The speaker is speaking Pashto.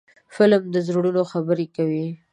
فلم د زړونو خبرې کوي